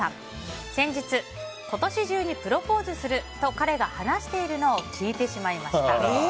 先日、今年中にプロポーズすると彼が話しているのを聞いてしまいました。